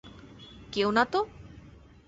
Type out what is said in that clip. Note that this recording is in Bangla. কেউ না তো!